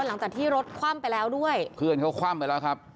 หลังจากที่รถคว่ำไปแล้วด้วยเพื่อนเขาคว่ำไปแล้วครับ